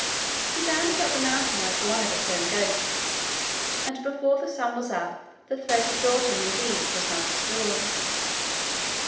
He bounded up the mountain like one of its own goats, and before the sun was up the thread had brought him indeed to his mother's door.